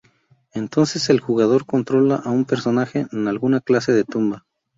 Entonces el jugador controla a un personaje en alguna clase de tumba.